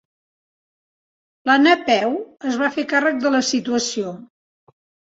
La Napeu es va fer càrrec de la situació.